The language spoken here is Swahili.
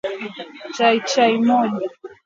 unga wa ngano gram ishiriniau kikombe cha chai moja